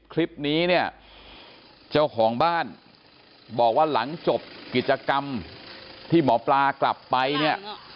คลิปนี้เนี่ยเจ้าของบ้านบอกว่าหลังจบกิจกรรมที่หมอปลากลับไปเนี่ย